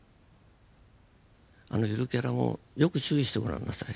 あのゆるキャラもよく注意してご覧なさい。